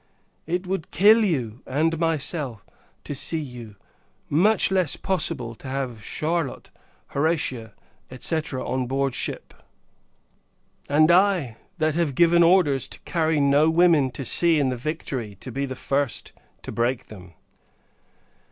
It would kill you; and myself, to see you. Much less possible, to have Charlotte, Horatia, &c. on board ship! And I, that have given orders to carry no women to sea in the Victory, to be the first to break them!